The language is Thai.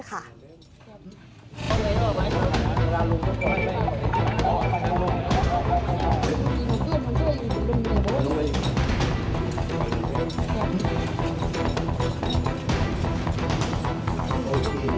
เห็นจิ๊กในกี้